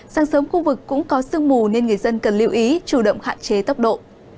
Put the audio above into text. sáng sớm khu vực cũng có sương mù nên người dân cần lưu ý chủ động hạn chế tốc độ